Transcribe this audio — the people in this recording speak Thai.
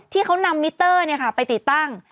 ที่เขานำมิเตอร์ไปติดตั้ง